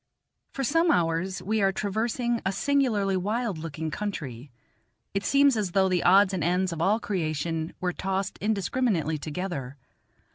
For some hours we are traversing a singularly wild looking country; it seems as though the odds and ends of all creation were tossed indiscriminately together.